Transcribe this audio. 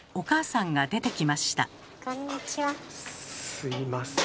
すいません。